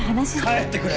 帰ってくれ！